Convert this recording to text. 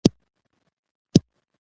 د پیرود ځای د ښار په زړه کې دی.